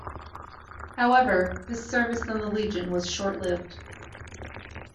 However, his service in the Legion was short-lived.